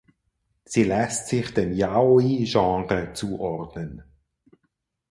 Sie lässt sich dem Yaoi-Genre zuordnen.